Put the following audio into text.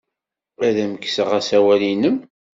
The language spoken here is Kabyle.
Ad am-kkseɣ asawal-nnem.